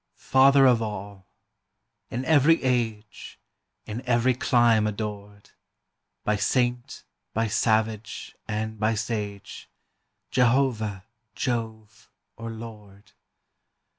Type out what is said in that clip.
Father of all! in every age, In every clime adored, By saint, by savage, and by sage, Jehovah, Jove, or Lord!